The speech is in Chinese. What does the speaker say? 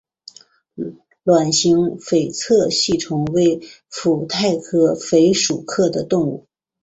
卵形菲策吸虫为腹袋科菲策属的动物。